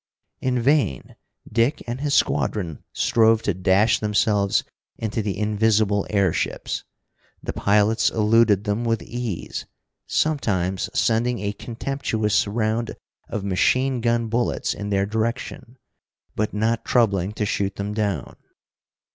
In vain Dick and his squadron strove to dash themselves into the invisible airships. The pilots eluded them with ease, sometimes sending a contemptuous round of machine gun bullets in their direction, but not troubling to shoot them down.